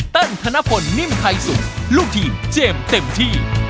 เต้นธนพลนิ่มไข่สูงลูกทีมเจมส์เต็มที่